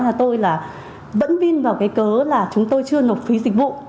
nên là vẫn viên vào cái cớ là chúng tôi chưa nộp phí dịch vụ